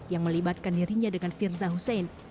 yang melibatkan dirinya dengan firza husein